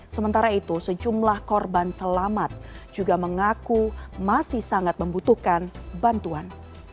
sementara itu sejumlah korban selamat juga mengaku masih sangat membutuhkan bantuan